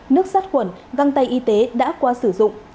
nước sát quẩn găng tay y tế đã qua sử dụng